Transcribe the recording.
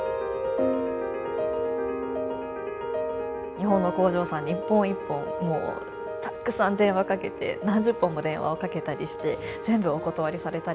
日本の工場さんに一本一本もうたくさん電話をかけて何十本も電話をかけたりして全部お断りされたりですとか。